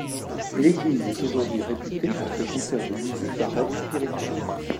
L'église est aujourd'hui réputée pour ses concerts de musique baroque spirituelle.